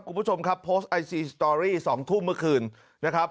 คุณผู้ชมครับโพสต์ไอซีสตอรี่๒ทุ่มเมื่อคืนนะครับ